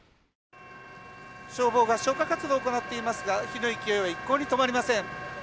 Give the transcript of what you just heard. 消防が消火活動を行っていますが火の勢いは一向に止まりません。